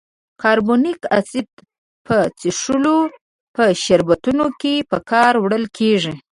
کاربونیک اسید په څښلو په شربتونو کې په کار وړل کیږي.